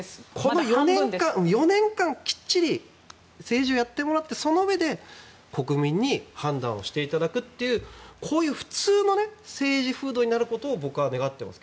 この４年間きっちり政治をやってもらったうえで国民に判断していただくというこういう普通の政治風土になることを僕は願っています。